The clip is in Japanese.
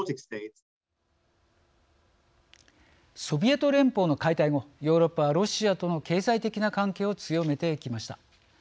ソビエト連邦の解体後ヨーロッパはロシアとの経済的な関係を強めてきました。